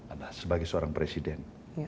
adalah sebagai seorang presiden